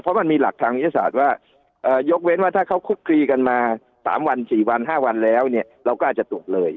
เพราะมันมีหลักทางวิทยาศาสตร์ว่ายกเว้นว่าถ้าเขาคุกคลีกันมา๓วัน๔วัน๕วันแล้วเนี่ยเราก็อาจจะตรวจเลย